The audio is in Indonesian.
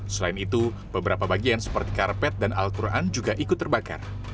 selain itu beberapa bagian seperti karpet dan al quran juga ikut terbakar